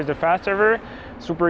ini adalah perjalanan cepat